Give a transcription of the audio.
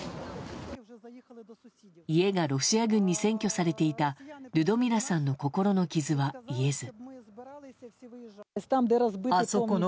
家がロシア軍に占拠されていたルドミラさんの心の傷は癒えず。